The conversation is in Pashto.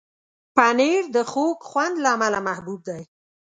پنېر د خوږ خوند له امله محبوب دی.